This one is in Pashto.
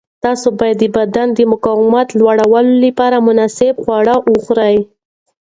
تاسو باید د بدن د مقاومت لوړولو لپاره مناسب خواړه وخورئ.